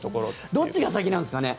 どっちが先なんですかね？